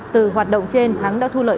từ hoạt động trên thắng đã thu lợi